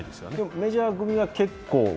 メジャー組は結構？